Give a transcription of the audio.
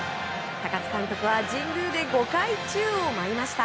高津監督は神宮で５回宙を舞いました。